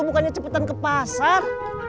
bukannya cepetan ke pasar